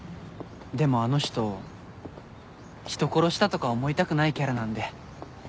でもあの人人殺したとか思いたくないキャラなんで。